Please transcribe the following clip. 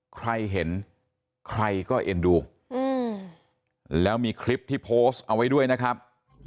ใครเห็นใครก็เอ็นดูแล้วมีคลิปที่โพสต์เอาไว้ด้วยนะครับ